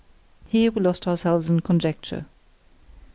Here we lost ourselves in conjecture.